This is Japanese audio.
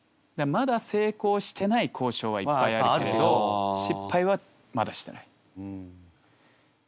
まだ成功してない交渉はいっぱいあるけれど失敗はまだしてない。